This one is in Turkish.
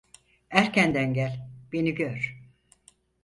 Erkenden gel, beni gör!